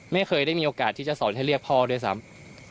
ไม่เคยได้มีโอกาสที่จะสอนให้เรียกพ่อด้วยซ้ำ